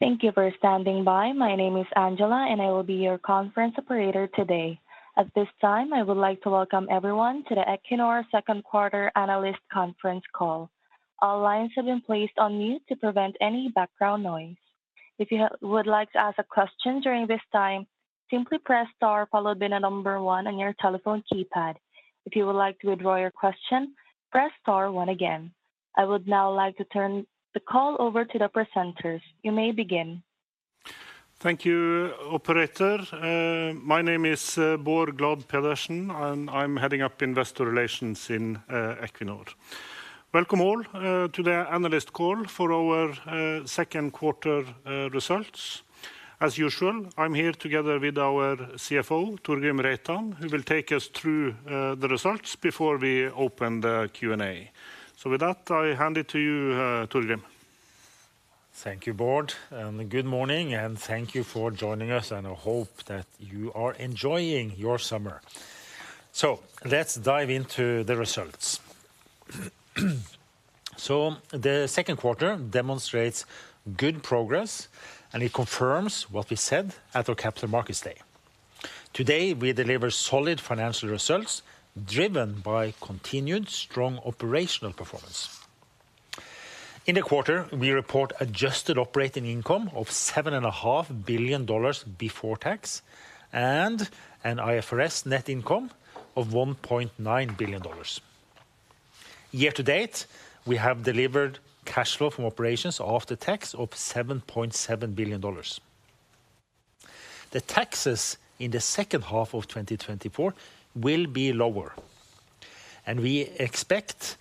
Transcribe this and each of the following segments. Thank you for standing by. My name is Angela, and I will be your conference operator today. At this time, I would like to welcome everyone to the Equinor Q2 Analyst Conference Call. All lines have been placed on mute to prevent any background noise. If you would like to ask a question during this time, simply press star followed by the number one on your telephone keypad. If you would like to withdraw your question, press star one again. I would now like to turn the call over to the presenters. You may begin. Thank you, Operator. My name is Bård Glad Pedersen, and I'm heading up investor relations in Equinor. Welcome all to the analyst call for our Q2 results. As usual, I'm here together with our CFO, Torgrim Reitan, who will take us through the results before we open the Q&A. With that, I hand it to you, Torgrim. Thank you, Bård. Good morning, and thank you for joining us, and I hope that you are enjoying your summer. So let's dive into the results. So the Q2 demonstrates good progress, and it confirms what we said at our Capital Markets Day. Today, we deliver solid financial results driven by continued strong operational performance. In the quarter, we report adjusted operating income of $7.5 billion before tax and an IFRS net income of $1.9 billion. Year to date, we have delivered cash flow from operations after tax of $7.7 billion. The taxes in the H2 of 2024 will be lower, and we expect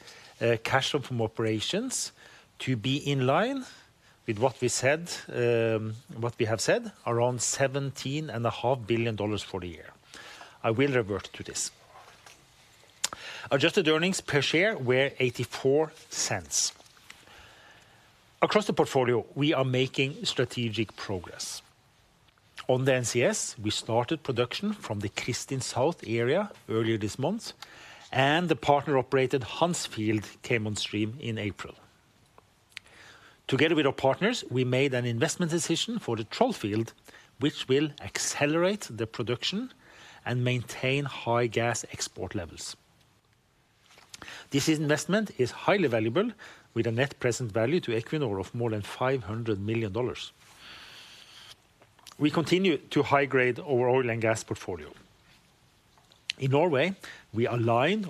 cash flow from operations to be in line with what we said, what we have said, around $17.5 billion for the year. I will revert to this. Adjusted earnings per share were $0.84. Across the portfolio, we are making strategic progress. On the NCS, we started production from the Kristin South area earlier this month, and the partner-operated Hanz came on stream in April. Together with our partners, we made an investment decision for the Troll field, which will accelerate the production and maintain high gas export levels. This investment is highly valuable, with a net present value to Equinor of more than $500 million. We continue to high-grade our oil and gas portfolio. In Norway, we align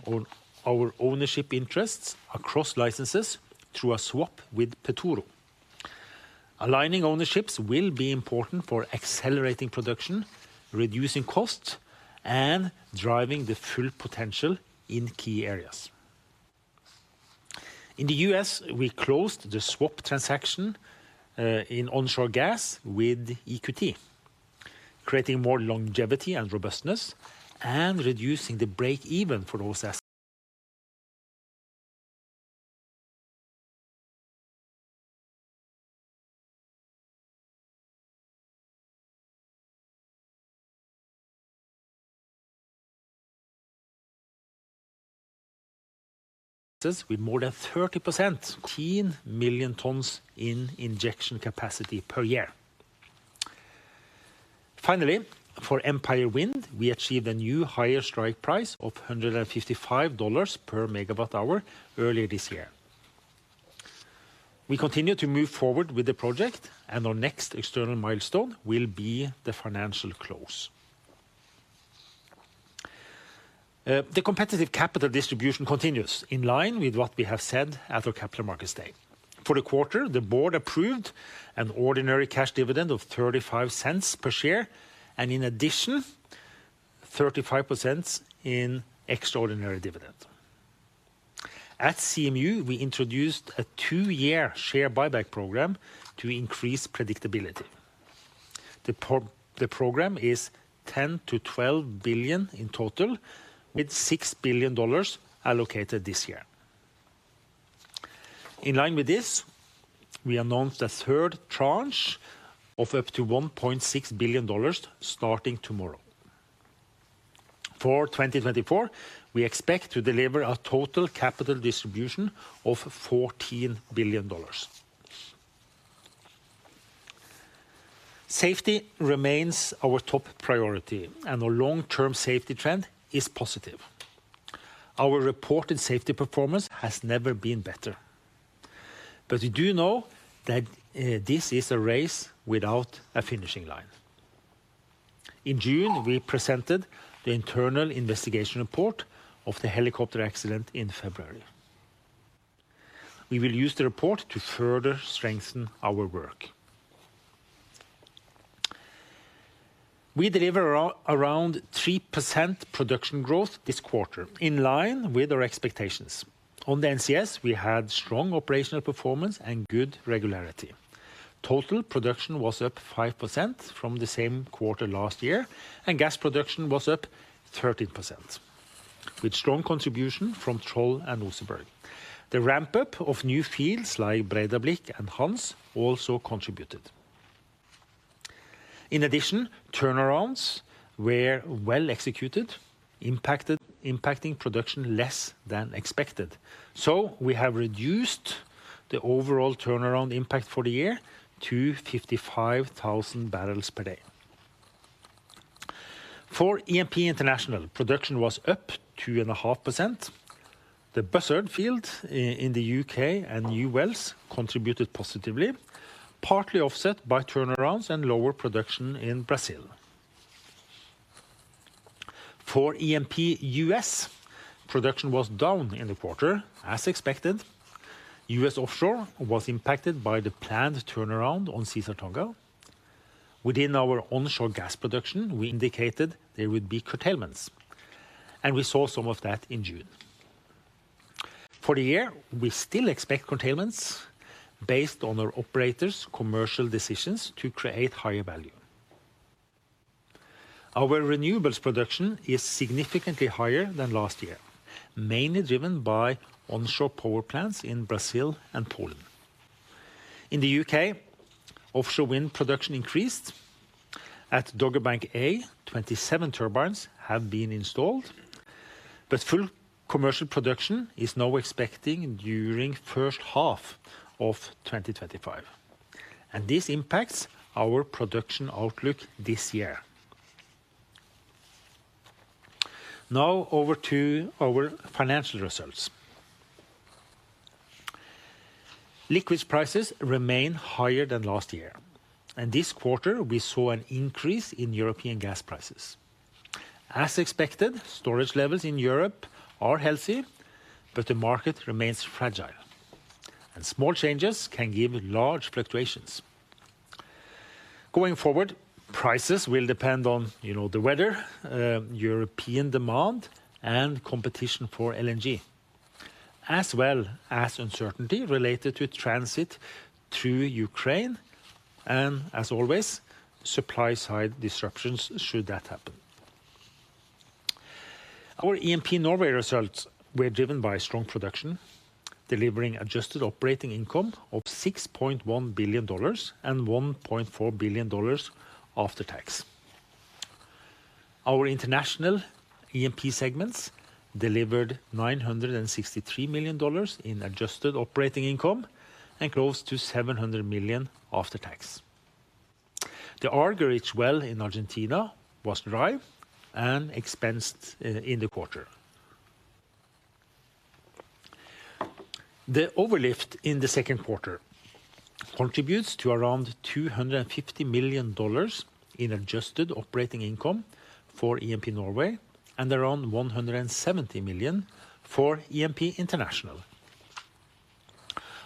our ownership interests across licenses through a swap with Petoro. Aligning ownerships will be important for accelerating production, reducing costs, and driving the full potential in key areas. In the U.S., we closed the swap transaction in onshore gas with EQT, creating more longevity and robustness and reducing the break-even for those assets. With more than 30%. 18 million tons in injection capacity per year. Finally, for Empire Wind, we achieved a new higher strike price of $155 per megawatt hour earlier this year. We continue to move forward with the project, and our next external milestone will be the financial close. The competitive capital distribution continues in line with what we have said at our Capital Markets Day. For the quarter, the board approved an ordinary cash dividend of $0.35 per share and, in addition, $0.35 in extraordinary dividend. At CMU, we introduced a two-year share buyback program to increase predictability. The program is $10-$12 billion in total, with $6 billion allocated this year. In line with this, we announced a third tranche of up to $1.6 billion starting tomorrow. For 2024, we expect to deliver a total capital distribution of $14 billion. Safety remains our top priority, and our long-term safety trend is positive. Our reported safety performance has never been better, but we do know that this is a race without a finishing line. In June, we presented the internal investigation report of the helicopter accident in February. We will use the report to further strengthen our work. We delivered around 3% production growth this quarter, in line with our expectations. On the NCS, we had strong operational performance and good regularity. Total production was up 5% from the same quarter last year, and gas production was up 13%, with strong contribution from Troll and Oseberg. The ramp-up of new fields like Breidablikk and Hanz also contributed. In addition, turnarounds were well executed, impacting production less than expected. So we have reduced the overall turnaround impact for the year to 55,000 barrels per day. For EMP International, production was up 2.5%. The Buzzard Field in the U.K. and new wells contributed positively, partly offset by turnarounds and lower production in Brazil. For E&P U.S., production was down in the quarter, as expected. U.S. offshore was impacted by the planned turnaround on Caesar Tonga. Within our onshore gas production, we indicated there would be curtailments, and we saw some of that in June. For the year, we still expect curtailments based on our operators' commercial decisions to create higher value. Our renewables production is significantly higher than last year, mainly driven by onshore power plants in Brazil and Poland. In the U.K., offshore wind production increased. At Dogger Bank, 27 turbines have been installed, but full commercial production is now expected during the H1 of 2025, and this impacts our production outlook this year. Now over to our financial results. Liquid prices remain higher than last year, and this quarter we saw an increase in European gas prices. As expected, storage levels in Europe are healthy, but the market remains fragile, and small changes can give large fluctuations. Going forward, prices will depend on the weather, European demand, and competition for LNG, as well as uncertainty related to transit through Ukraine, and as always, supply-side disruptions should that happen. Our E&P Norway results were driven by strong production, delivering adjusted operating income of $6.1 billion and $1.4 billion after tax. Our international EMP segments delivered $963 million in adjusted operating income and close to $700 million after tax. The Argerich well in Argentina was dry and expensed in the quarter. The overlift in the Q2 contributes to around $250 million in adjusted operating income for EMP Norway and around $170 million for EMP International.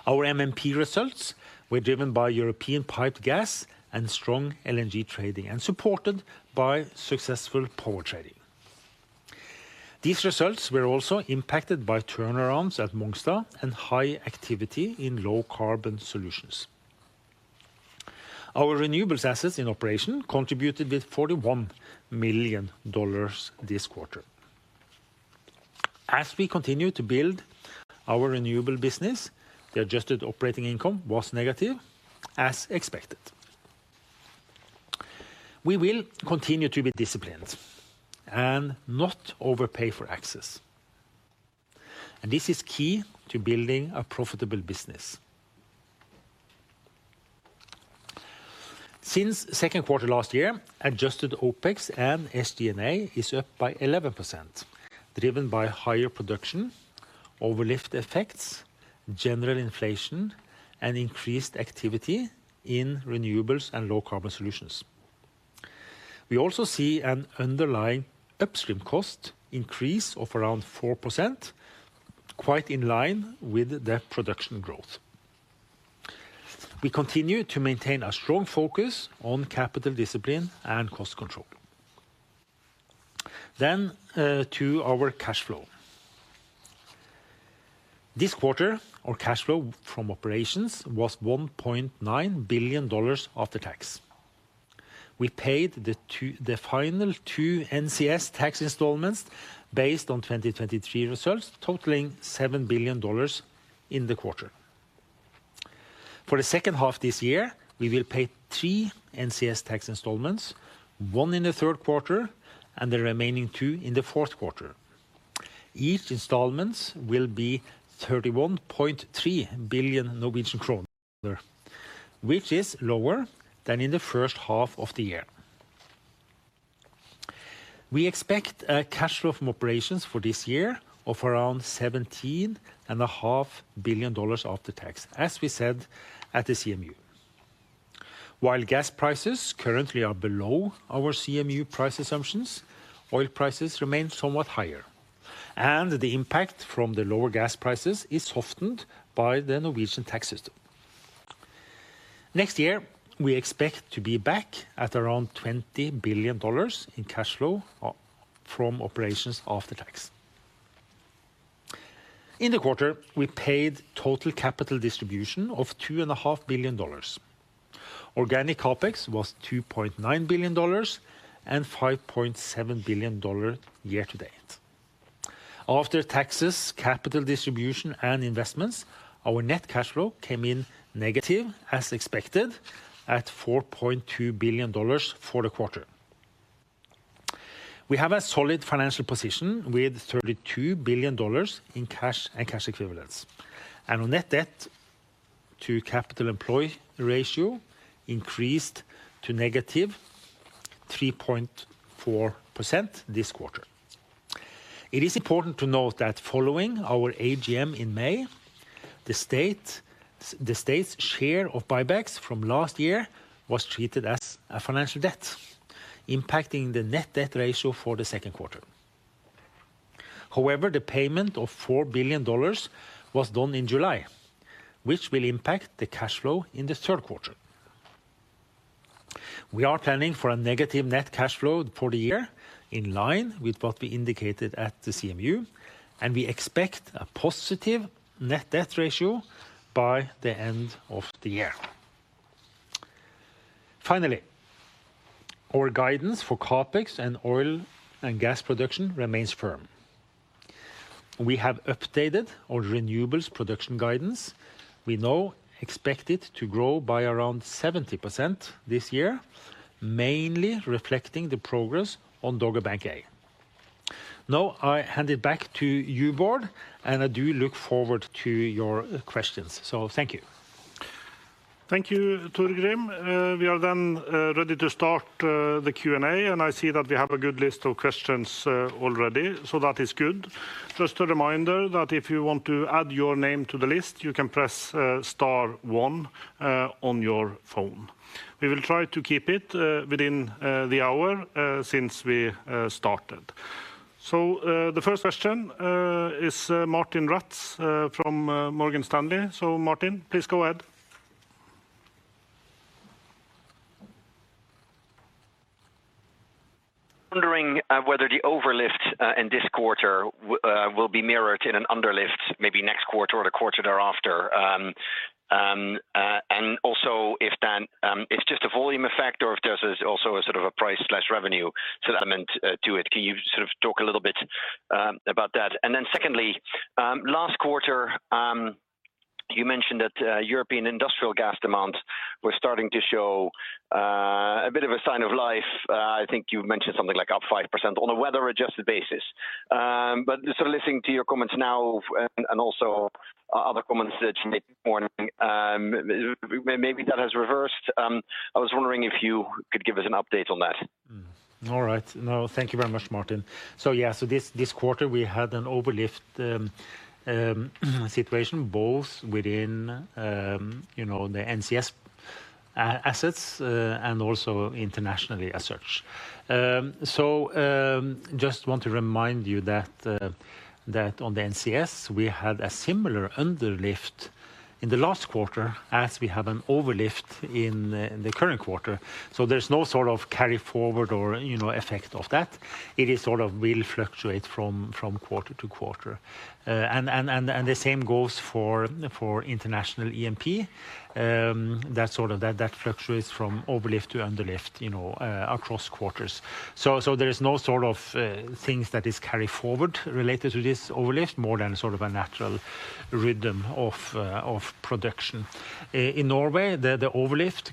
Our MMP results were driven by European piped gas and strong LNG trading, and supported by successful power trading. These results were also impacted by turnarounds at Mongstad and high activity in low-carbon solutions. Our renewables assets in operation contributed with $41 million this quarter. As we continue to build our renewable business, the adjusted operating income was negative, as expected. We will continue to be disciplined and not overpay for access, and this is key to building a profitable business. Since the Q2 last year, adjusted OPEX and SG&A is up by 11%, driven by higher production, overlift effects, general inflation, and increased activity in renewables and low-carbon solutions. We also see an underlying upstream cost increase of around 4%, quite in line with the production growth. We continue to maintain a strong focus on capital discipline and cost control. Then to our cash flow. This quarter, our cash flow from operations was $1.9 billion after tax. We paid the final two NCS tax by the end of the year. Finally, our guidance for CAPEX and oil and gas production remains firm. We have updated our renewables production guidance. We now expect it to grow by around 70% this year, mainly reflecting the progress on Dogger Bank A. Now I hand it back to you, Bård, and I do look forward to your questions. So thank you. Thank you, Torgrim. We are then ready to start the Q&A, and I see that we have a good list of questions already, so that is good. Just a reminder that if you want to add your name to the list, you can press star one on your phone. We will try to keep it within the hour since we started. So the first question is Martijn Rats from Morgan Stanley. So Martijn, please go ahead. Wondering whether the overlift in this quarter will be mirrored in an underlift, maybe next quarter or the quarter thereafter, and also if that is just a volume effect or if there's also a sort of a price/revenue. So. Element to it. Can you sort of talk a little bit about that? And then secondly, last quarter, you mentioned that European industrial gas demands were starting to show a bit of a sign of life. I think you mentioned something like up 5% on a weather-adjusted basis. But sort of listening to your comments now and also other comments from JPMorgan, maybe that has reversed. I was wondering if you could give us an update on that. All right. No, thank you very much, Martjin. So yeah, so this quarter we had an overlift situation both within the NCS assets and also internationally as such. So just want to remind you that on the NCS, we had a similar underlift in the last quarter as we have an overlift in the current quarter. So there's no sort of carry forward or effect of that. It sort of will fluctuate from quarter to quarter. And the same goes for international E&P. That fluctuates from overlift to underlift across quarters. So there is no sort of things that is carried forward related to this overlift more than sort of a natural rhythm of production. In Norway, the overlift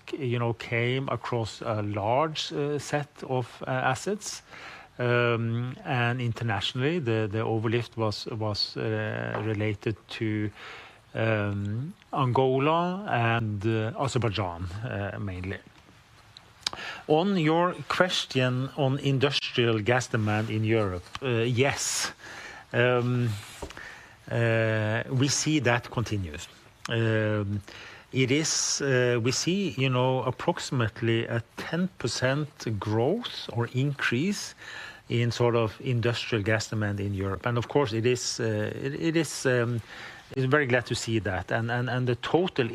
came across a large set of assets, and internationally, the overlift was related to Angola and Azerbaijan mainly. On your question on industrial gas demand in Europe, yes, we see that continues. We see approximately a 10% growth or increase in sort of industrial gas demand in Europe. Of course, it is very glad to see that. The total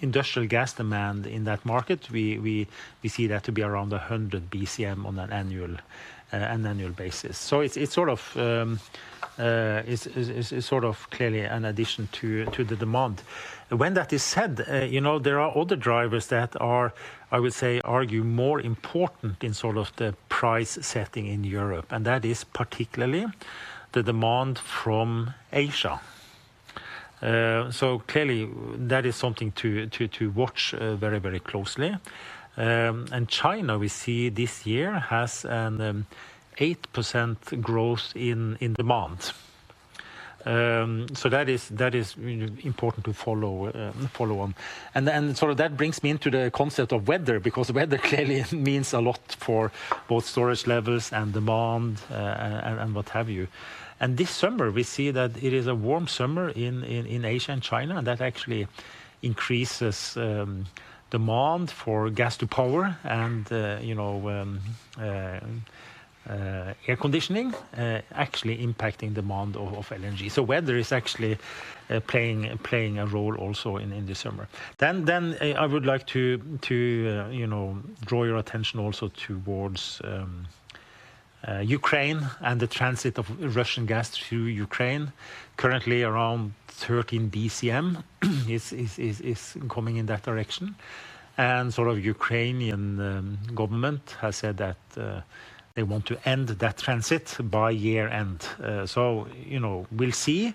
industrial gas demand in that market, we see that to be around 100 BCM on an annual basis. It's sort of clearly an addition to the demand. When that is said, there are other drivers that are, I would say, argue more important in sort of the price setting in Europe, and that is particularly the demand from Asia. Clearly, that is something to watch very, very closely. China, we see this year has an 8% growth in demand. That is important to follow on. Sort of that brings me into the concept of weather because weather clearly means a lot for both storage levels and demand and what have you. And this summer, we see that it is a warm summer in Asia and China, and that actually increases demand for gas to power and air conditioning, actually impacting demand of LNG. So weather is actually playing a role also in this summer. Then I would like to draw your attention also towards Ukraine and the transit of Russian gas through Ukraine. Currently, around 13 BCM is coming in that direction. And sort of Ukrainian government has said that they want to end that transit by year end. So we'll see,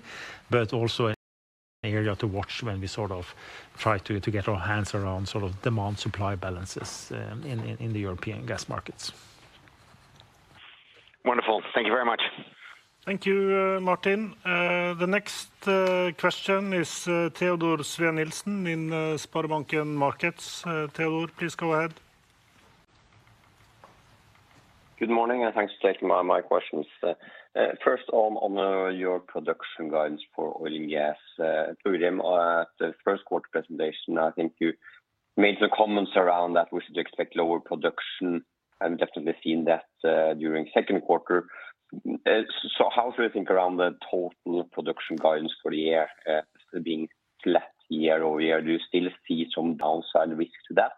but also an area to watch when we sort of try to get our hands around sort of demand-supply balances in the European gas markets. Wonderful. Thank you very much. Thank you, Martin. The next question is Teodor Sveen-Nilsen in SpareBank 1 Markets. Teodor, please go ahead. Good morning, and thanks for taking my questions. First, on your production guidance for oil and gas, Torgrim, at the Q1 presentation, I think you made some comments around that we should expect lower production. I've definitely seen that during the Q2. So how do you think around the total production guidance for the year being flat year-over-year? Do you still see some downside risk to that?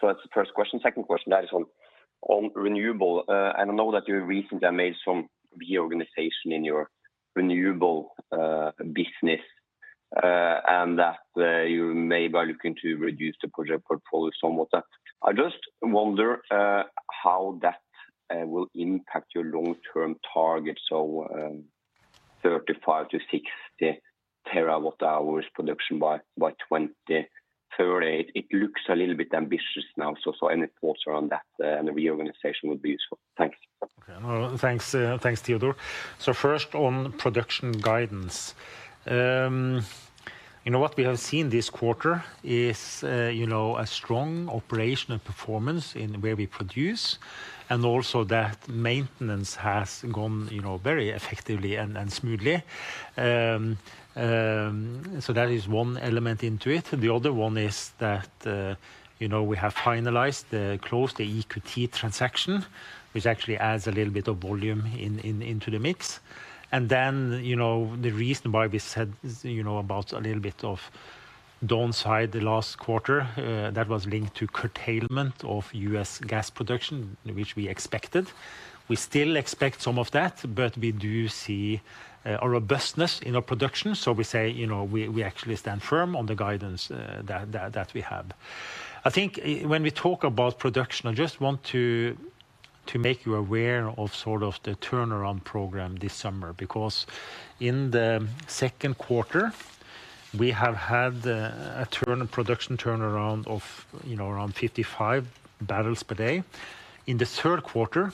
So that's the first question. Second question, that is on renewable. And I know that you recently made some reorganization in your renewable business and that you may be looking to reduce the project portfolio somewhat. I just wonder how that will impact your long-term target, so 35 to 60 terawatt-hours production by 2038. It looks a little bit ambitious now, so any thoughts around that and the reorganization would be useful. Thanks. Thanks, Teodor. So first on production guidance. You know what we have seen this quarter is a strong operational performance in where we produce, and also that maintenance has gone very effectively and smoothly. So that is one element into it. The other one is that we have finalized the close to EQT transaction, which actually adds a little bit of volume into the mix. And then the reason why we said about a little bit of downside the last quarter, that was linked to curtailment of U.S. gas production, which we expected. We still expect some of that, but we do see a robustness in our production. So we say we actually stand firm on the guidance that we have. I think when we talk about production, I just want to make you aware of sort of the turnaround program this summer because in the Q2, we have had a production turnaround of around 55 barrels per day. In the Q3,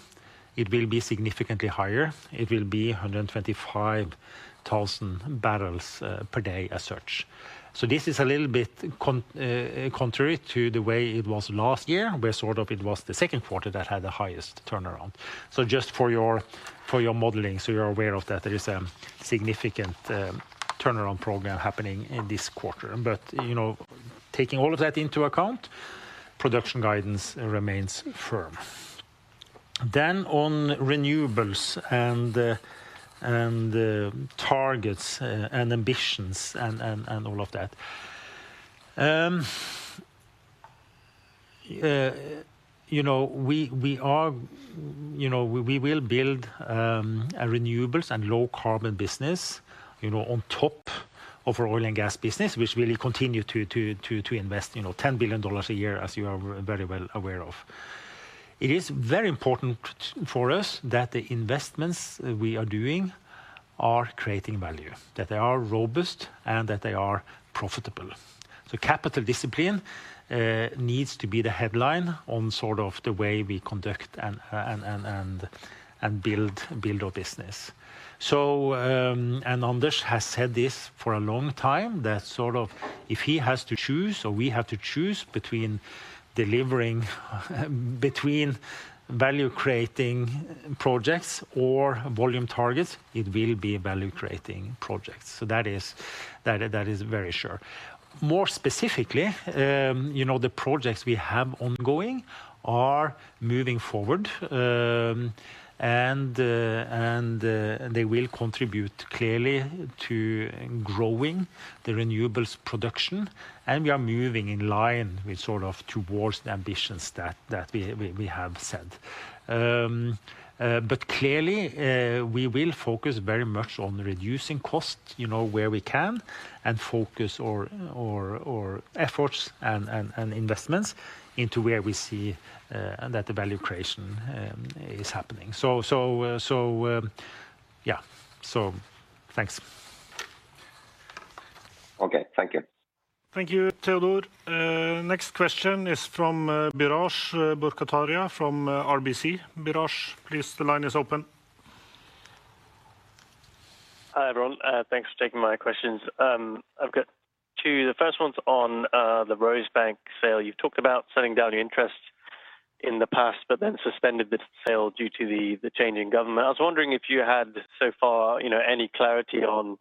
it will be significantly higher. It will be 125,000 barrels per day as such. So this is a little bit contrary to the way it was last year, where sort of it was the Q2 that had the highest turnaround. So just for your modeling, so you're aware of that there is a significant turnaround program happening in this quarter. But taking all of that into account, production guidance remains firm. Then on renewables and targets and ambitions and all of that. We will build a renewables and low carbon business on top of our oil and gas business, which will continue to invest $10 billion a year, as you are very well aware of. It is very important for us that the investments we are doing are creating value, that they are robust and that they are profitable. So capital discipline needs to be the headline on sort of the way we conduct and build our business. So And Anders has said this for a long time, that sort of if he has to choose or we have to choose between value-creating projects or volume targets, it will be value-creating projects. So that is very sure. More specifically, the projects we have ongoing are moving forward, and they will contribute clearly to growing the renewables production, and we are moving in line with sort of towards the ambitions that we have set. But clearly, we will focus very much on reducing costs where we can and focus our efforts and investments into where we see that the value creation is happening. So yeah, so thanks. Okay, thank you. Thank you, Teodor. Next question is from Biraj Borkhataria from RBC. Biraj, please, the line is open. Hi everyone. Thanks for taking my questions. I've got two. The first one's on the Rosebank sale. You've talked about selling down your interest in the past, but then suspended the sale due to the change in government. I was wondering if you had so far any clarity on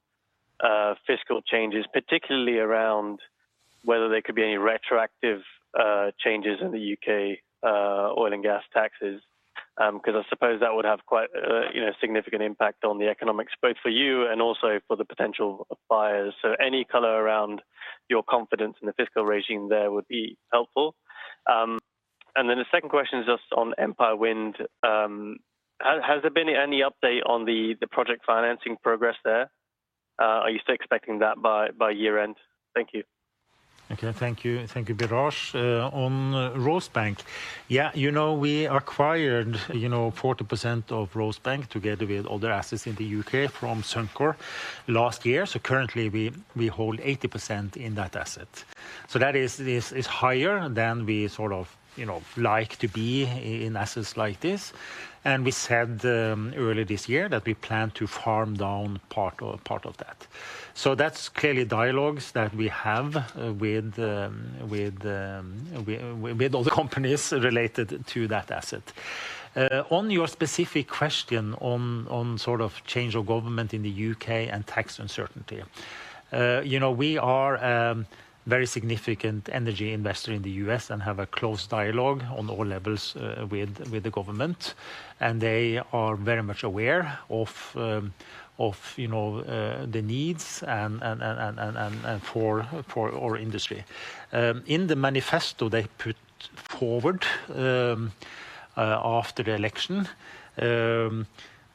fiscal changes, particularly around whether there could be any retroactive changes in the U.K. oil and gas taxes, because I suppose that would have quite a significant impact on the economics, both for you and also for the potential buyers. So any color around your confidence in the fiscal regime there would be helpful. And then the second question is just on Empire Wind. Has there been any update on the project financing progress there? Are you still expecting that by year end? Thank you. Okay, thank you. Thank you, Biraj. On Rosebank. Yeah, you know we acquired 40% of Rosebank together with other assets in the U.K. from Suncor last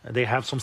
year.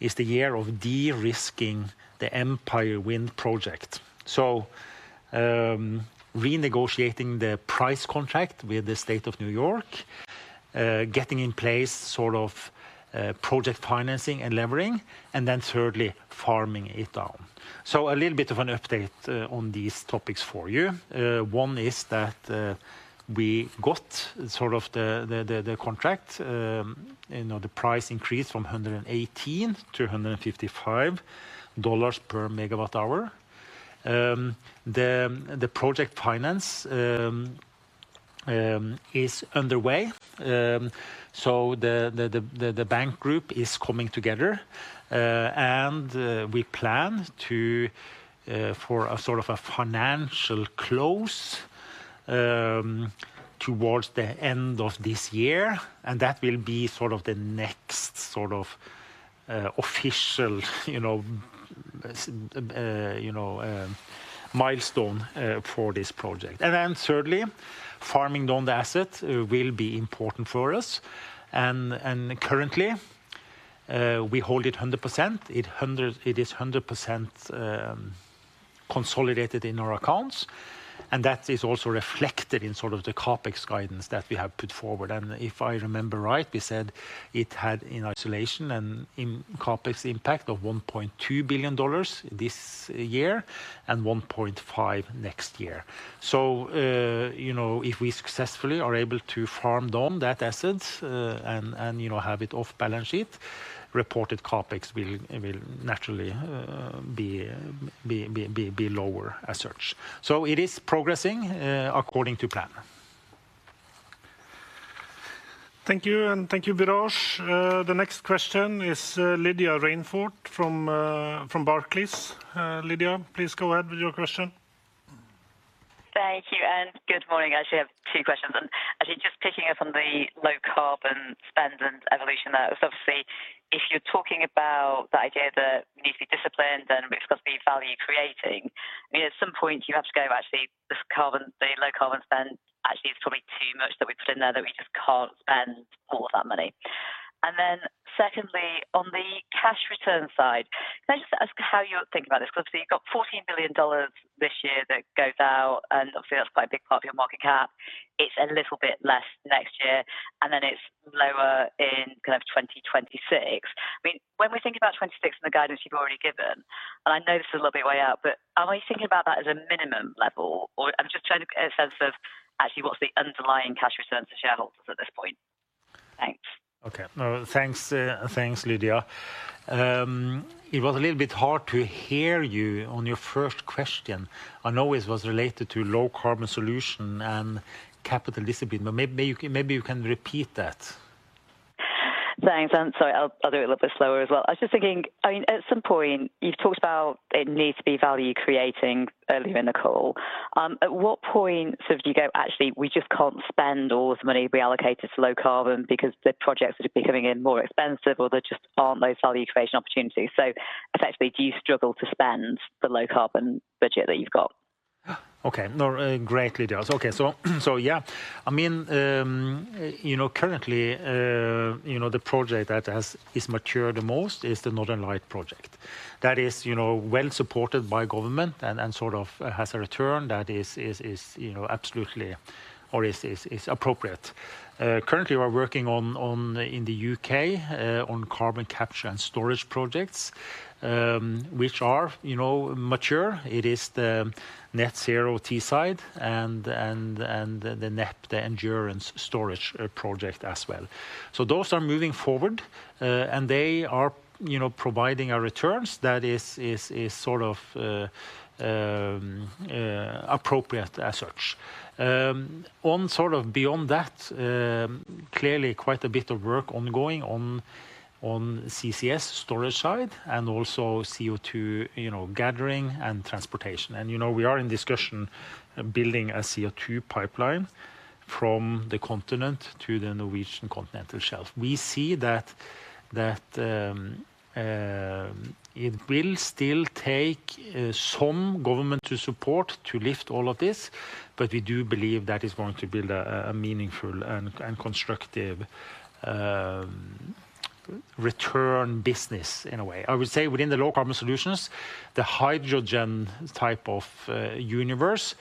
is the year of de-risking the Empire Wind project. So renegotiating the price contract with the state of New York, getting in place sort of project financing and levering, and then thirdly, farming it down. So a little bit of an update on these topics for you. One is that we got sort of the contract, the price increased from $118-$155 per MWh. The project finance is underway. So the bank group is coming together, and we plan for sort of a financial close towards the end of this year. And that will be sort of the next sort of official milestone for this project. And then thirdly, farming down the asset will be important for us. And currently, we hold it 100%. It is 100% consolidated in our accounts, and that is also reflected in sort of the CAPEX guidance that we have put forward. And if I remember right, we said it had in isolation and in CAPEX impact of $1.2 billion this year and $1.5 billion next year. So if we successfully are able to farm down that asset and have it off balance sheet, reported CAPEX will naturally be lower as such. So it is progressing according to plan. Thank you, and thank you, Biraj. The next question is Lydia Rainforth from Barclays. Lydia, please go ahead with your question. Thank you, and good morning. Actually, I have two questions. Actually, just picking up on the low carbon spend and evolution there. So obviously, if you're talking about the idea that we need to be disciplined and it's got to be value-creating, at some point, you have to go actually the low carbon spend actually is probably too much that we put in there that we just can't spend all of that money. And then secondly, on the cash return side, can I just ask how you're thinking about this? Because obviously, you've got $14 billion this year that goes out, and obviously, that's quite a big part of your market cap. It's a little bit less next year, and then it's lower in kind of 2026. I mean, when we think about 2026 and the guidance you've already given, and I know this is a little bit way out, but are we thinking about that as a minimum level? Or, I'm just trying to get a sense of actually what's the underlying cash return for shareholders at this point. Thanks. Okay, thanks, Lydia. It was a little bit hard to hear you on your first question. I know it was related to low carbon solution and capital discipline, but maybe you can repeat that. Thanks. Sorry, I'll do it a little bit slower as well. I was just thinking, I mean, at some point, you've talked about it needs to be value-creating earlier in the call. At what point do you go actually, we just can't spend all this money we allocated to low carbon because the projects are becoming more expensive or there just aren't those value-creation opportunities? So effectively, do you struggle to spend the low carbon budget that you've got? Okay, great, Lydia. Okay, so yeah, I mean, currently, the project that has matured the most is the Northern Lights project. That is well supported by government and sort of has a return that is absolutely or is appropriate. Currently, we're working in the UK on carbon capture and storage projects, which are mature. It is the Net Zero Teesside and the NEP, the endurance storage project as well. So those are moving forward, and they are providing our returns that is sort of appropriate as such. On sort of beyond that, clearly quite a bit of work ongoing on CCS storage side and also CO2 gathering and transportation. And we are in discussion building a CO2 pipeline from the continent to the Norwegian Continental Shelf. We see that it will still take some government support to lift all of this, but we do believe that is going to build a meaningful and constructive return business in a way. I would say within the low carbon solutions, the hydrogen type of universe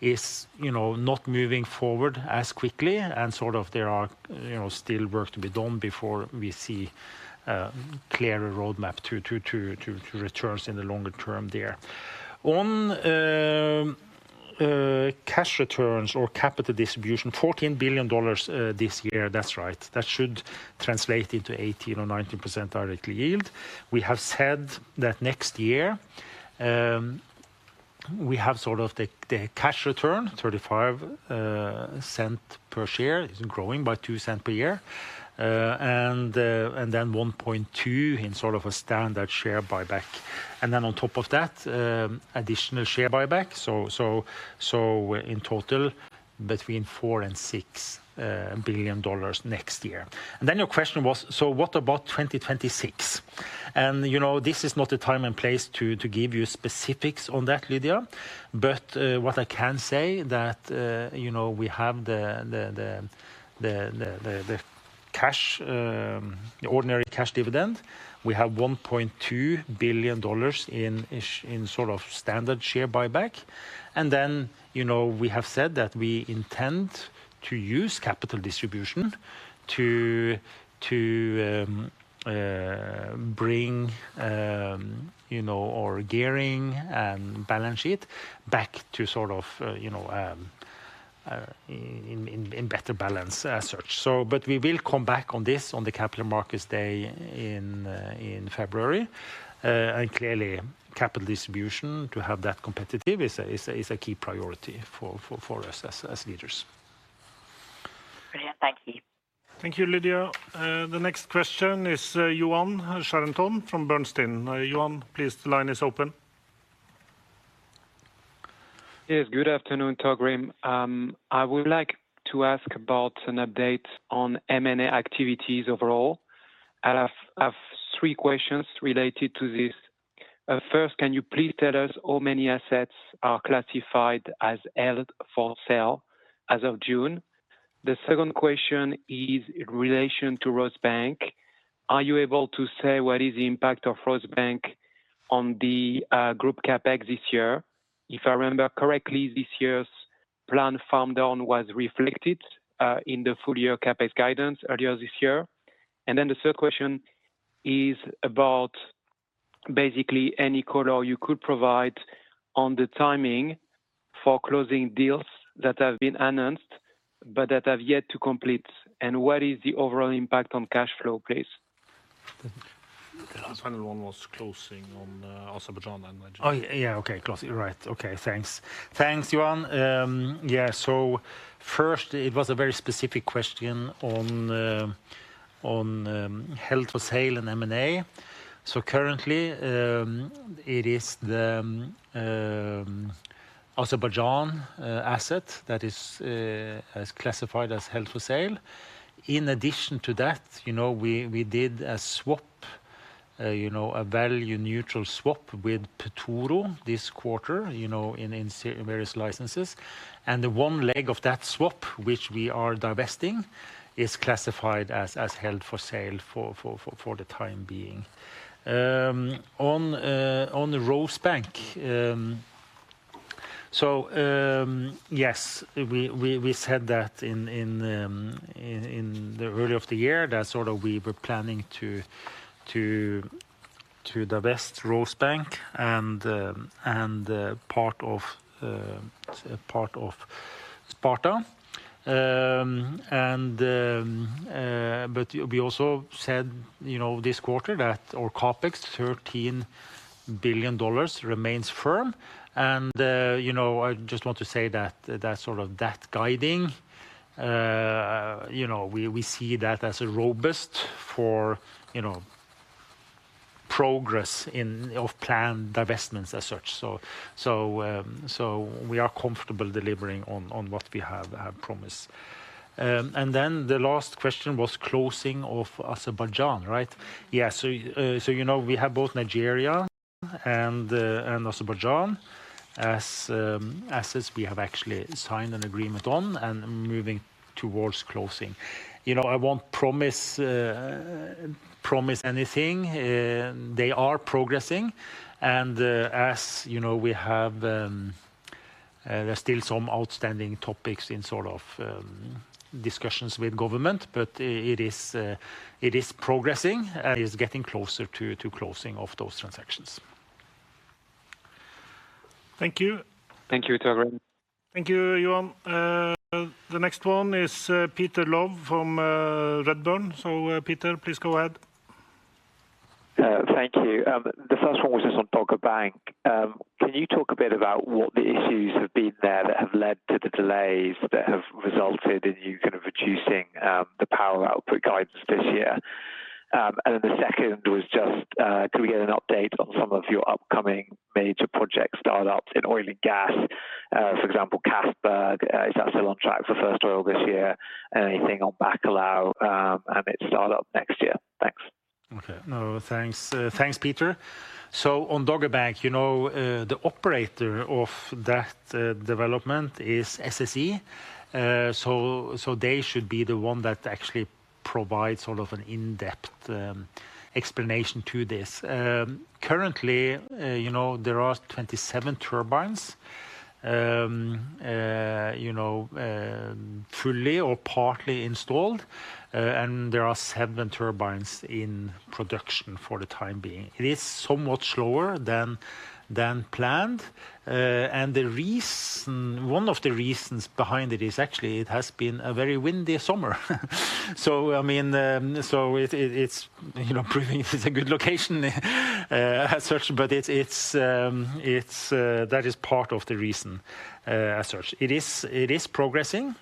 is not moving forward as quickly, and sort of there are still work to be done before we see a clearer roadmap to returns in the longer term there. On cash returns or capital distribution, $14 billion this year, that's right. That should translate into 18% or 19% dividend yield. We have said that next year, we have sort of the cash return, $0.35 per share, is growing by $0.02 per year, and then $1.2 billion in sort of a standard share buyback. And then on top of that, additional share buyback. So in total, between $4 billion and $6 billion next year. And then your question was, so what about 2026? And this is not the time and place to give you specifics on that, Lydia, but what I can say that we have the ordinary cash dividend. We have $1.2 billion in sort of standard share buyback. And then we have said that we intend to use capital distribution to bring our gearing and balance sheet back to sort of in better balance as such. But we will come back on this on the Capital Markets Day in February. And clearly, capital distribution to have that competitive is a key priority for us as leaders. Brilliant. Thank you. Thank you, Lydia. The next question is Yoann Charenton from Bernstein. Yoann, please, the line is open. Yes, good afternoon, Torgrim. I would like to ask about an update on M&A activities overall. I have three questions related to this. First, can you please tell us how many assets are classified as held for sale as of June? The second question is in relation to Rosebank. Are you able to say what is the impact of Rosebank on the group CapEx this year? If I remember correctly, this year's plan farmed down was reflected in the full year CapEx guidance earlier this year. And then the third question is about basically any color you could provide on the timing for closing deals that have been announced but that have yet to complete. And what is the overall impact on cash flow, please? The last one was closing on Azerbaijan and Nigeria. Oh, yeah, okay, closing. Right, okay, thanks. Thanks, Yoann. Yeah, so first, it was a very specific question on held for sale and M&A. So currently, it is the Azerbaijan asset that is classified as held for sale. In addition to that, we did a swap, a value neutral swap with Petoro this quarter in various licenses. And the one leg of that swap, which we are divesting, is classified as held for sale for the time being. On Rosebank, so yes, we said that in the earlier of the year that sort of we were planning to divest Rosebank and part of Sparta. But we also said this quarter that our CAPEX, $13 billion, remains firm. And I just want to say that sort of that guiding, we see that as a robust for progress of planned divestments as such. So we are comfortable delivering on what we have promised. And then the last question was closing of Azerbaijan, right? Yeah, so we have both Nigeria and Azerbaijan as assets we have actually signed an agreement on and moving towards closing. I won't promise anything. They are progressing. And as we have, there's still some outstanding topics in sort of discussions with government, but it is progressing and is getting closer to closing of those transactions. Thank you. Thank you, Torgrim. Thank you, Johan. The next one is Peter Low from Redburn. So Peter, please go ahead. Thank you. The first one was just on Dogger Bank. Can you talk a bit about what the issues have been there that have led to the delays that have resulted in you kind of reducing the power output guidance this year? And then the second was just, could we get an update on some of your upcoming major project startups in oil and gas? For example, Castberg, is that still on track for first oil this year? And anything on Bacalhau and its startup next year? Thanks. Okay, thanks. Thanks, Peter. So on Dogger Bank, the operator of that development is SSE. So they should be the one that actually provides sort of an in-depth explanation to this. Currently, there are 27 turbines fully or partly installed, and there are 7 turbines in production for the time being. It is somewhat slower than planned. And one of the reasons behind it is actually it has been a very windy summer. So I mean, so it's proving it's a good location as such, but that is part of the reason as such. It is progressing,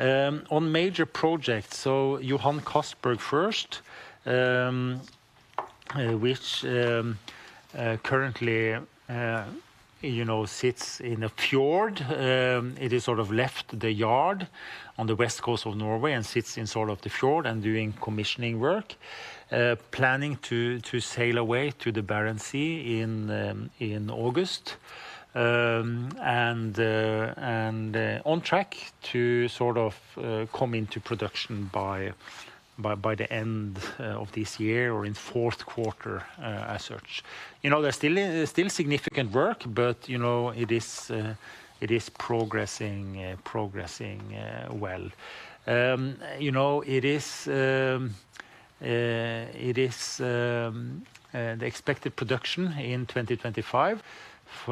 and we expect it to be sort of fully in production in the H2 of this year. On major projects, so Johan Castberg first, which currently sits in a fjord. It is sort of left the yard on the west coast of Norway and sits in sort of the fjord and doing commissioning work, planning to sail away to the Barents Sea in August and on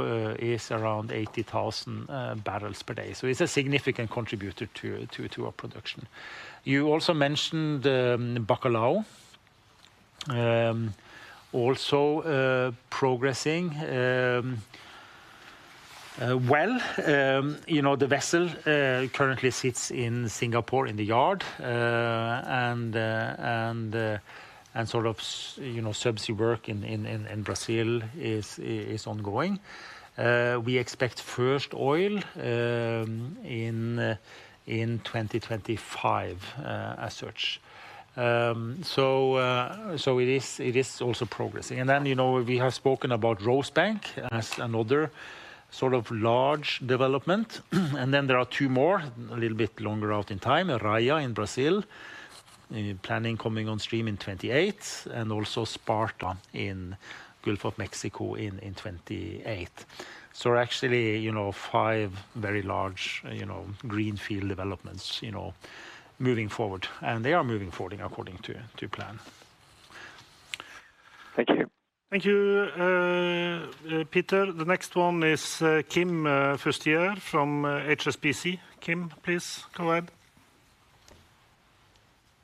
track to sort of come into production by the end of this year or in Q4 as such. There's still significant work, but it is progressing well. The expected production in 2025 is around 80,000 barrels per day. So it's a significant contributor to our production. You also mentioned Bacalhau, also progressing well. The vessel currently sits in Singapore in the yard, and sort of subsea work in Brazil is ongoing. We expect first oil in 2025 as such. So it is also progressing. And then we have spoken about Rosebank as another sort of large development. And then there are two more, a little bit longer out in time, Raia in Brazil, planning coming on stream in 2028, and also Sparta in Gulf of Mexico in 2028. So actually five very large greenfield developments moving forward, and they are moving forward according to plan. Thank you. Thank you, Peter. The next one is Kim Fustier from HSBC. Kim, please go ahead.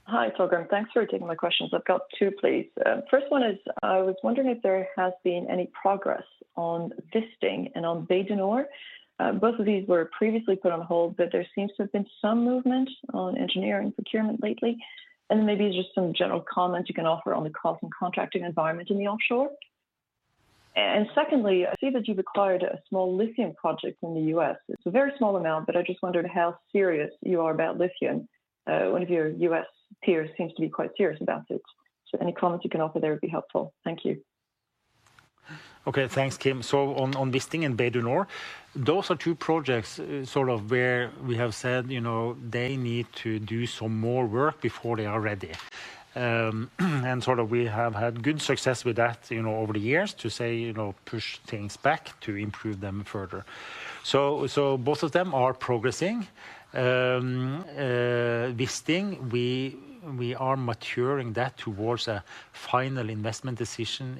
Hi, Torgrim. Thanks for taking my questions. I've got two, please. First one is, I was wondering if there has been any progress on Wisting and on Bay du Nord. Both of these were previously put on hold, but there seems to have been some movement on engineering procurement lately. And then maybe just some general comments you can offer on the cost and contracting environment in the offshore. And secondly, I see that you've acquired a small lithium project in the U.S. It's a very small amount, but I just wondered how serious you are about lithium. One of your U.S. peers seems to be quite serious about it. So any comments you can offer there would be helpful. Thank you. Okay, thanks, Kim. So on Wisting and Bay du Nord, those are two projects sort of where we have said they need to do some more work before they are ready. And sort of we have had good success with that over the years to say push things back to improve them further. So both of them are progressing. Wisting, we are maturing that towards a final investment decision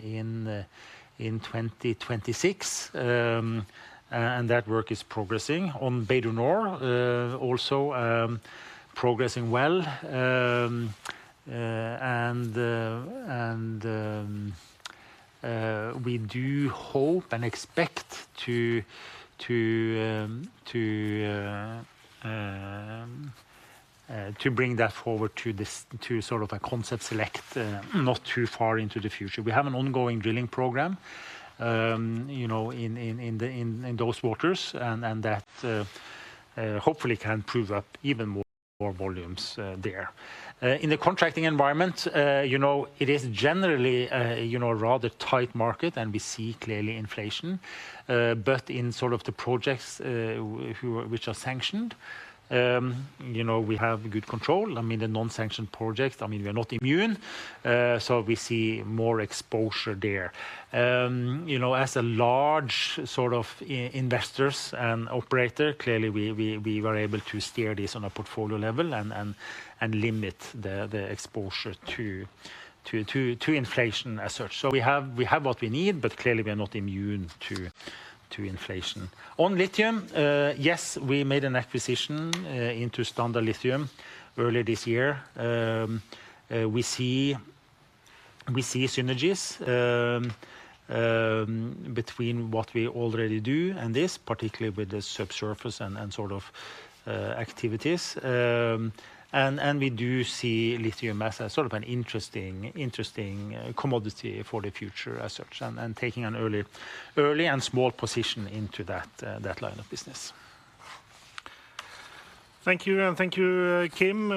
in 2026, and that work is progressing. On Bay du Nord, also progressing well. And we do hope and expect to bring that forward to sort of a concept select, not too far into the future. We have an ongoing drilling program in those waters, and that hopefully can prove up even more volumes there. In the contracting environment, it is generally a rather tight market, and we see clearly inflation. But in sort of the projects which are sanctioned, we have good control. I mean, the non-sanctioned projects, I mean, we are not immune. So we see more exposure there. As a large sort of investors and operator, clearly we were able to steer this on a portfolio level and limit the exposure to inflation as such. So we have what we need, but clearly we are not immune to inflation. On lithium, yes, we made an acquisition into Standard Lithium earlier this year. We see synergies between what we already do and this, particularly with the subsurface and sort of activities. And we do see lithium as sort of an interesting commodity for the future as such, and taking an early and small position into that line of business. Thank you, and thank you, Kim.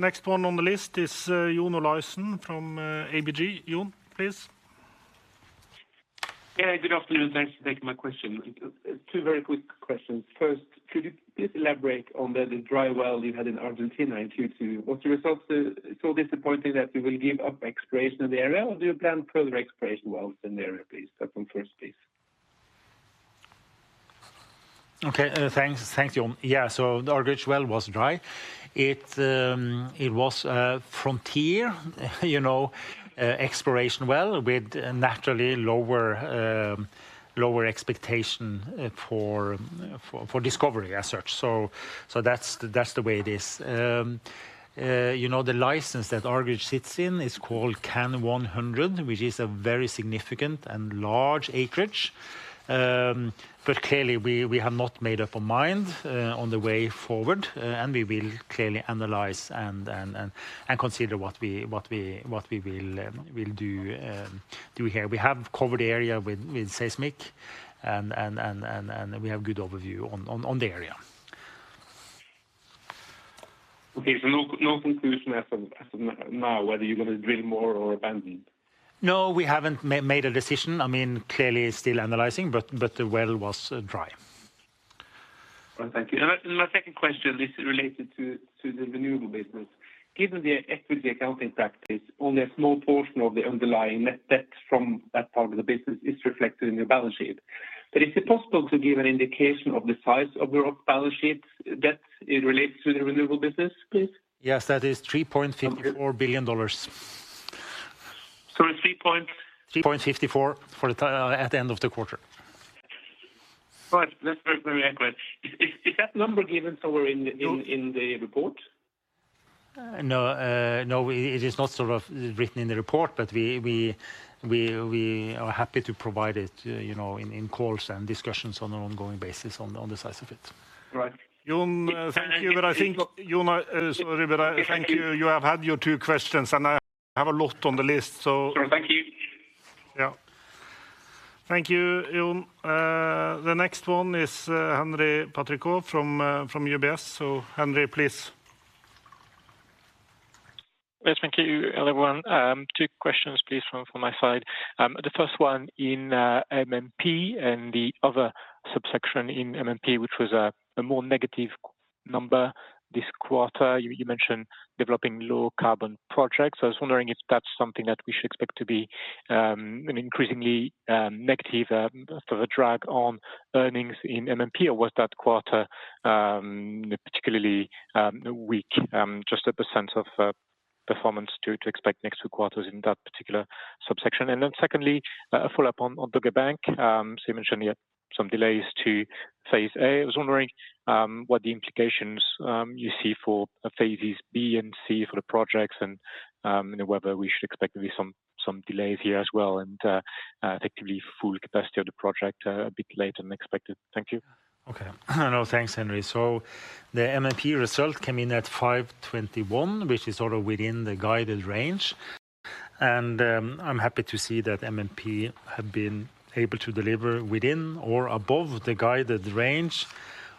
Next one on the list is John Olaisen from ABG. Jon, please. Yeah, good afternoon. Thanks for taking my question. Two very quick questions. First, could you please elaborate on the dry well you had in Argentina in Q2? Was the result so disappointing that you will give up exploration in the area, or do you plan further exploration wells in the area, please? That one first, please. Okay, thanks, John. Yeah, so the original well was dry. It was a frontier exploration well with naturally lower expectation for discovery as such. So that's the way it is. The license that Argerich sits in is called CAN 100, which is a very significant and large acreage. But clearly, we have not made up our mind on the way forward, and we will clearly analyze and consider what we will do here. We have covered area with Seismic, and we have good overview on the area. Okay, so no conclusion as of now whether you're going to drill more or abandon? No, we haven't made a decision. I mean, clearly still analyzing, but the well was dry. Thank you. And my second question is related to the renewable business. Given the equity accounting practice, only a small portion of the underlying net debt from that part of the business is reflected in your balance sheet. But is it possible to give an indication of the size of your balance sheet debt related to the renewable business, please? Yes, that is $3.54 billion. So it's $3.54 at the end of the quarter. Right, let's work very accurate. Is that number given somewhere in the report? No, it is not sort of written in the report, but we are happy to provide it in calls and discussions on an ongoing basis on the size of it. Right. Jon, thank you, but I think John, sorry, but thank you. You have had your two questions, and I have a lot on the list, so. Thank you. Yeah. Thank you, John. The next one is Henri Patricot from UBS. So Henri, please. Yes, thank you, everyone. Two questions, please, from my side. The first one in MMP and the other subsection in MMP, which was a more negative number this quarter. You mentioned developing low carbon projects. I was wondering if that's something that we should expect to be an increasingly negative sort of a drag on earnings in MMP, or was that quarter particularly weak? Just a sense of performance to expect in the next two quarters in that particular subsection. Then secondly, a follow-up on Dogger Bank. So you mentioned you had some delays to Phase A. I was wondering what the implications you see for Phases B and C for the projects and whether we should expect maybe some delays here as well and effectively full capacity of the project a bit later than expected. Thank you. Okay. No, thanks, Henri. So the MMP result came in at $521, which is sort of within the guided range. And I'm happy to see that MMP have been able to deliver within or above the guided range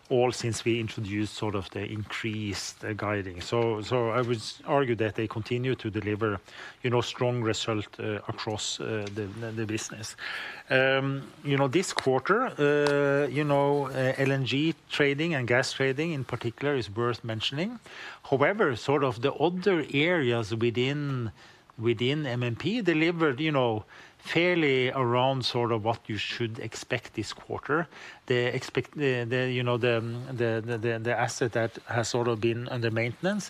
all since we introduced sort of the increased guiding. So I would argue that they continue to deliver strong result across the business. This quarter, LNG trading and gas trading in particular is worth mentioning. However, sort of the other areas within MMP delivered fairly around sort of what you should expect this quarter. The asset that has sort of been under maintenance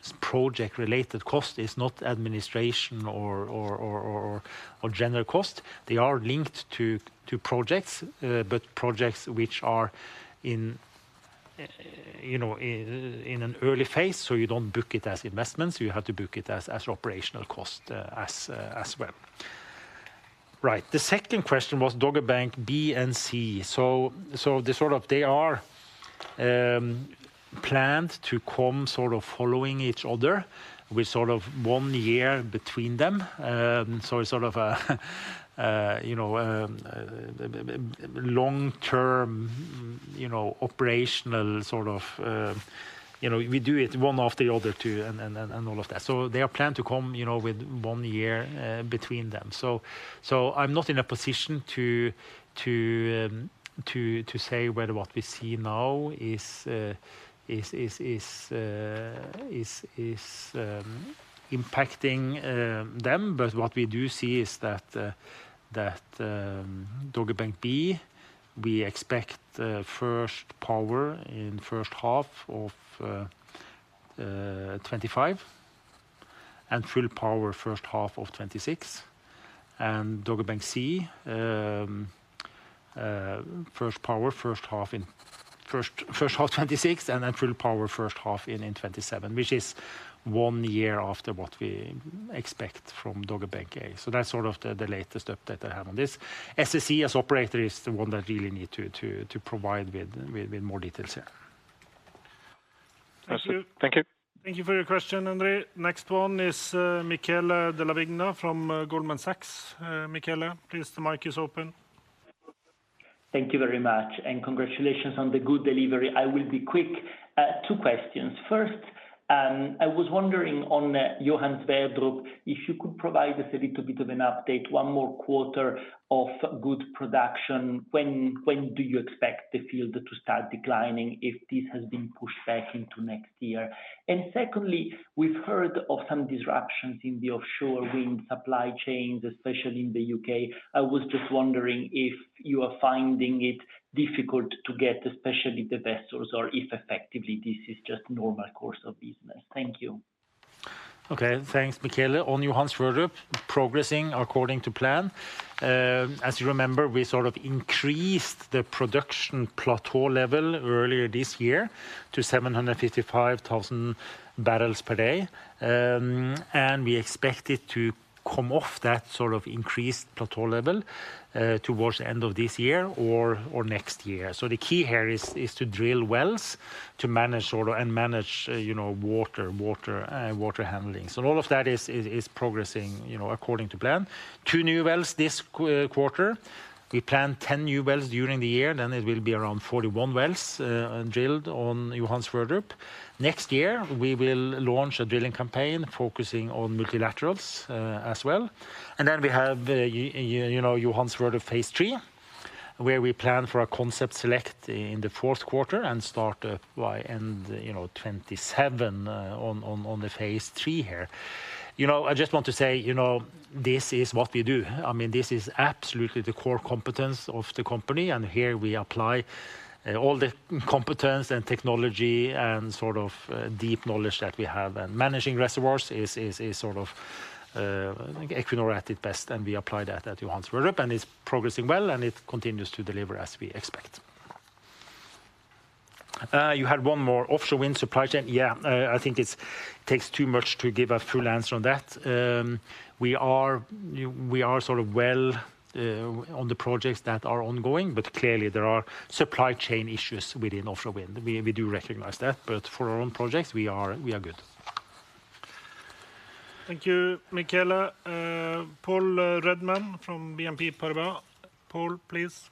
is the Mongstad refinery. So that is sort of very limited results from sort of that part of the business. But when that is in operations, they provide typically a meaningful part into the earnings from MMP. So I would say that MMP is sort of fair. On your question on low carbon spending, clearly we are in a growth phase, and clearly there are business development and early phase costs. We have taken that well into account into our guiding when we put forward. The cost that we do spend here is specific project-related cost. It's not administration or general cost. They are linked to projects, but projects which are in an early phase, so you don't book it as investments. You have to book it as operational cost as well. Right. The second question was Dogger Bank B and C. So they are planned to come sort of following each other with sort of one year between them. So it's sort of a long-term operational sort of we do it one after the other too and all of that. So they are planned to come with one year between them. So I'm not in a position to say whether what we see now is impacting them, but what we do see is that Dogger Bank B, we expect first power in H1 of 2025 and full power H1 of 2026. And Dogger Bank C, first power H1 in H1 2026 and then full power H1 in 2027, which is one year after what we expect from Dogger Bank A. So that's sort of the latest update I have on this. SSE as operator is the one that really needs to provide with more details here. Thank you. Thank you. Thank you for your question, Henri. Next one is Michele Della Vigna from Goldman Sachs. Michele, please, the mic is open. Thank you very much. And congratulations on the good delivery. I will be quick. Two questions. First, I was wondering on Johan Sverdrup, if you could provide us a little bit of an update, one more quarter of good production, when do you expect the field to start declining if this has been pushed back into next year? And secondly, we've heard of some disruptions in the offshore wind supply chains, especially in the U.K. I was just wondering if you are finding it difficult to get especially the vessels or if effectively this is just normal course of business. Thank you. Okay, thanks, Michele. On Johan Sverdrup, progressing according to plan. As you remember, we sort of increased the production plateau level earlier this year to 755,000 barrels per day. And we expect it to come off that sort of increased plateau level towards the end of this year or next year. So the key here is to drill wells to manage and manage water handling. So all of that is progressing according to plan. Two new wells this quarter. We planned 10 new wells during the year. Then it will be around 41 wells drilled on Johan Sverdrup. Next year, we will launch a drilling campaign focusing on multilaterals as well. And then we have Johan Sverdrup phase III, where we plan for a concept select in the Q4 and start by end 2027 on the phase three here. I just want to say this is what we do. I mean, this is absolutely the core competence of the company. And here we apply all the competence and technology and sort of deep knowledge that we have. And managing reservoirs is sort of Equinor at its best. And we apply that at Johan Sverdrup. And it's progressing well, and it continues to deliver as we expect. You had one more, offshore wind supply chain. Yeah, I think it takes too much to give a full answer on that. We are sort of well on the projects that are ongoing, but clearly there are supply chain issues within offshore wind. We do recognize that, but for our own projects, we are good. Thank you, Michele. Paul Redman from BNP Paribas. Paul, please.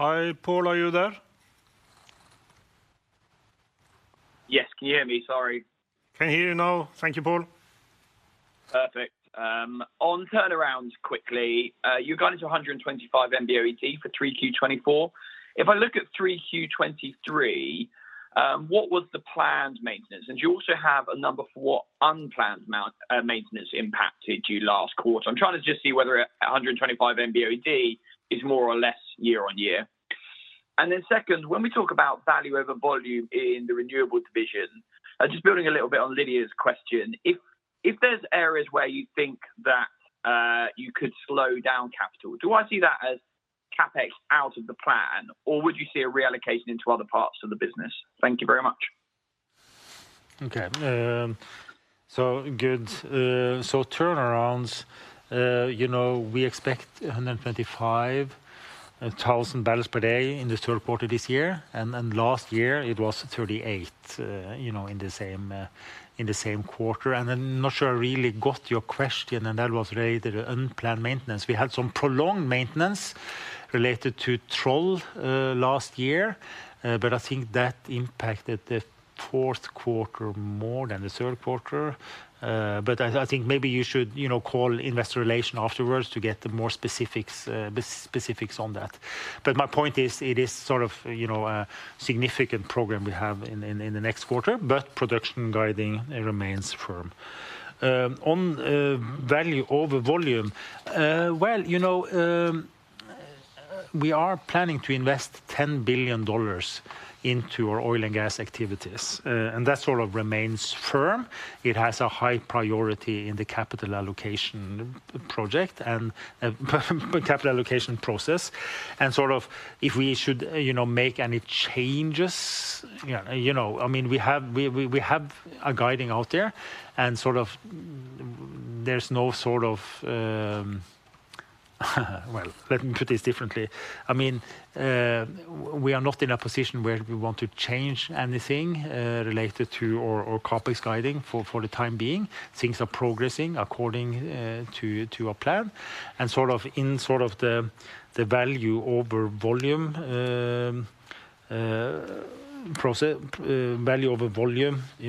Hi, Paul, are you there? Yes, can you hear me? Sorry. Can hear you now. Thank you, Paul. Perfect. On turnaround quickly, you've got into 125 MBOED for 3Q 2024. If I look at 3Q 2023, what was the planned maintenance? And do you also have a number for what unplanned maintenance impacted you last quarter? I'm trying to just see whether 125 MBOED is more or less year-over-year. And then second, when we talk about value over volume in the renewable division, just building a little bit on Lydia's question, if there's areas where you think that you could slow down capital, do I see that as CapEx out of the plan, or would you see a reallocation into other parts of the business? Thank you very much. Okay. So good. So turnarounds, we expect 125,000 barrels per day in the Q3 this year. And last year, it was 38 in the same quarter. And I'm not sure I really got your question, and that was related to unplanned maintenance. We had some prolonged maintenance related to Troll last year, but I think that impacted the Q4 more than the Q3. But I think maybe you should call Investor Relations afterwards to get the more specifics on that. But my point is, it is sort of a significant program we have in the next quarter, but production guidance remains firm. On value over volume, well, we are planning to invest $10 billion into our oil and gas activities. And that sort of remains firm. It has a high priority in the capital allocation project and capital allocation process. Sort of if we should make any changes, I mean, we have guidance out there. Sort of there's no sort of, well, let me put this differently. I mean, we are not in a position where we want to change anything related to our CapEx guidance for the time being. Things are progressing according to our plan. Sort of in sort of the value over volume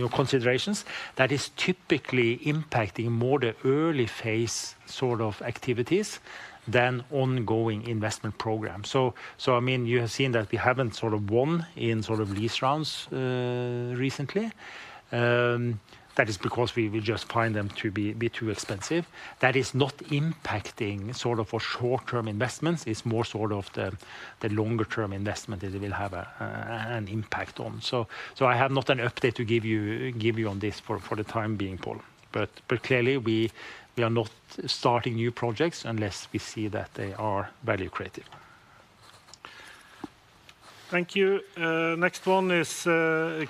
considerations, that is typically impacting more the early phase sort of activities than ongoing investment programs. I mean, you have seen that we haven't sort of won in sort of lease rounds recently. That is because we just find them to be too expensive. That is not impacting sort of our short-term investments. It's more sort of the longer-term investment that we will have an impact on. So I have not an update to give you on this for the time being, Paul. But clearly, we are not starting new projects unless we see that they are value creative. Thank you. Next one is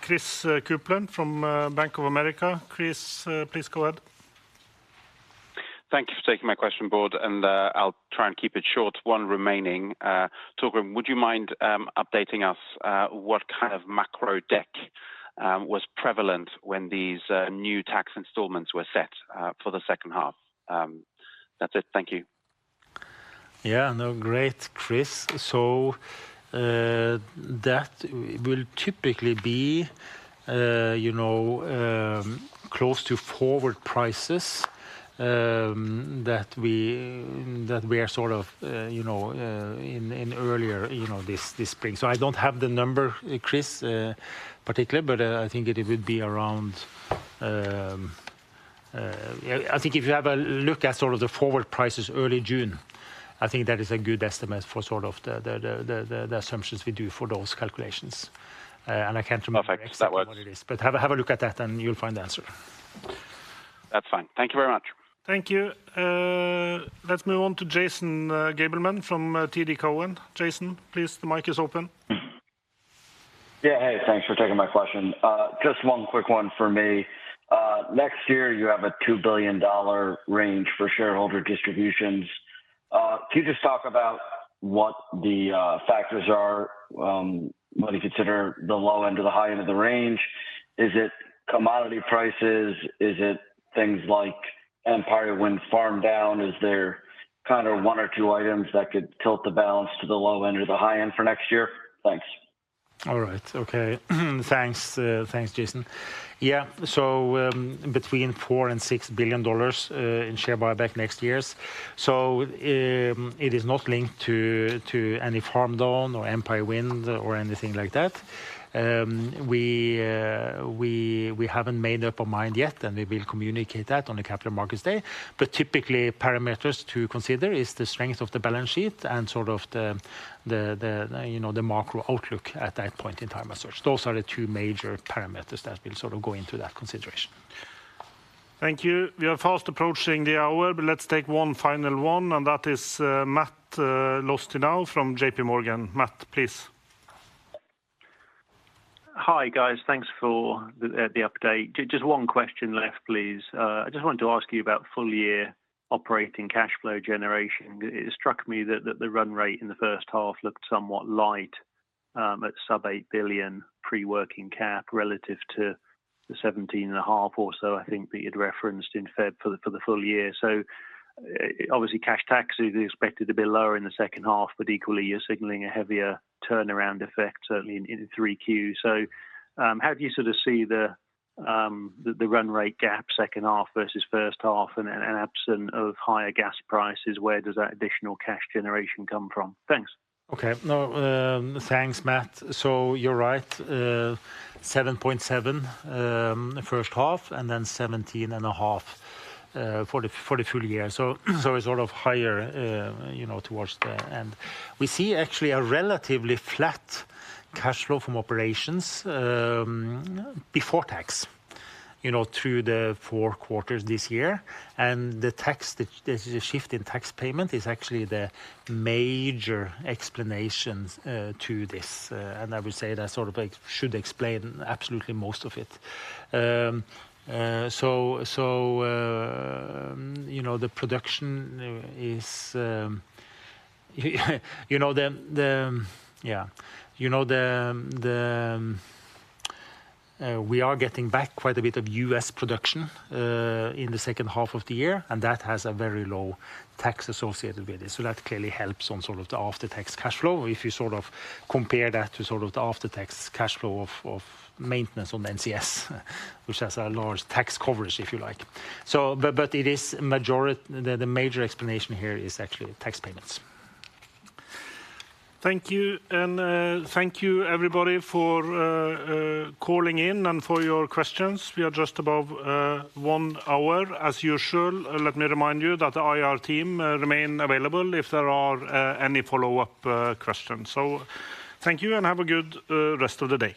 Christopher Kuplent from Bank of America. Chris, please go ahead. Thank you for taking my question, Bård, and I'll try and keep it short. One remaining. Torgrim, would you mind updating us what kind of macro debt was prevalent when these new tax installments were set for the H2? That's it. Thank you. Yeah, no, great, Chris. So that will typically be close to forward prices that we are sort of in earlier this spring. So I don't have the number, Chris, particularly, but I think it would be around. I think if you have a look at sort of the forward prices early June, I think that is a good estimate for sort of the assumptions we do for those calculations. And I can't remember exactly what it is, but have a look at that and you'll find the answer. That's fine. Thank you very much. Thank you. Let's move on to Jason Gabelman from TD Cowen. Jason, please, the mic is open. Yeah, hey, thanks for taking my question. Just one quick one for me. Next year, you have a $2 billion range for shareholder distributions. Can you just talk about what the factors are? What do you consider the low end or the high end of the range? Is it commodity prices? Is it things like Empire Wind farmed down? Is there kind of one or two items that could tilt the balance to the low end or the high end for next year? Thanks. All right. Okay. Thanks, Jason. Yeah, so between $4-$6 billion in share buyback next year. So it is not linked to any farm-down or Empire Wind or anything like that. We haven't made up our mind yet, and we will communicate that on the Capital Markets Day. But typically, parameters to consider is the strength of the balance sheet and sort of the macro outlook at that point in time. Those are the two major parameters that will sort of go into that consideration. Thank you. We are fast approaching the hour, but let's take one final one, and that is Matt Lofting from JPMorgan. Matt, please. Hi, guys. Thanks for the update. Just one question left, please. I just wanted to ask you about full-year operating cash flow generation. It struck me that the run rate in the H1 looked somewhat light at sub-$8 billion pre-working cap relative to the $17.5 or so, I think, that you'd referenced inferred for the full year. So obviously, cash taxes are expected to be lower in the H2, but equally, you're signaling a heavier turnaround effect, certainly in 3Q. So how do you sort of see the run rate gap, H2 versus H1, and absent of higher gas prices? Where does that additional cash generation come from? Thanks. Okay. No, thanks, Matt. So you're right. $7.7 H1 and then $17.5 for the full year. So it's sort of higher towards the end. We see actually a relatively flat cash flow from operations before tax through the four quarters this year. And the tax shift in tax payment is actually the major explanation to this. And I would say that sort of should explain absolutely most of it. So the production is, yeah, we are getting back quite a bit of U.S. production in the H2 of the year, and that has a very low tax associated with it. So that clearly helps on sort of the after-tax cash flow. If you sort of compare that to sort of the after-tax cash flow of maintenance on NCS, which has a large tax coverage, if you like. But the major explanation here is actually tax payments. Thank you. And thank you, everybody, for calling in and for your questions. We are just above one hour, as usual. Let me remind you that the IR team remains available if there are any follow-up questions. Thank you and have a good rest of the day.